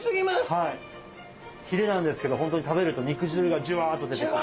ひれなんですけど本当に食べると肉汁がジュワッと出てくる。